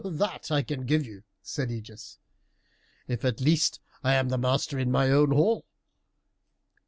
"That I can give you," said Ægeus, "if at least I am master in my own hall."